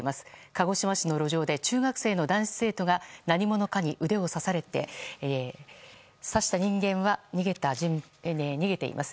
鹿児島市の路上で中学生の男子生徒が何者かに腕を刺されて刺した犯人は逃げています。